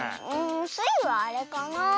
スイはあれかな。